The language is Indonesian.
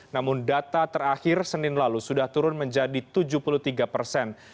namun data terakhir senin lalu sudah turun menjadi tujuh puluh tiga persen